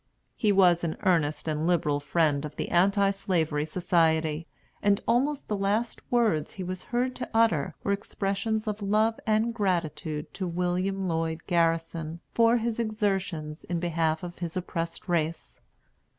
He was an earnest and liberal friend of the Anti Slavery Society; and almost the last words he was heard to utter were expressions of love and gratitude to William Lloyd Garrison for his exertions in behalf of his oppressed race.